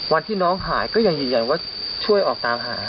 วันที่น้องหายก็ยังยืนยันว่าช่วยออกตามหา